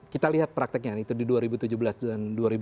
kita lihat prakteknya itu di dua ribu tujuh belas dan dua ribu delapan belas